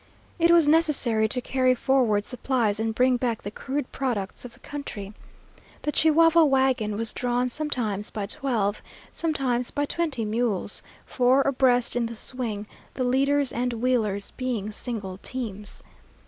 It was necessary to carry forward supplies and bring back the crude products of the country. The Chihuahua wagon was drawn sometimes by twelve, sometimes by twenty mules, four abreast in the swing, the leaders and wheelers being single teams.